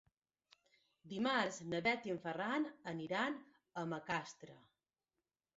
Dimarts na Bet i en Ferran iran a Macastre.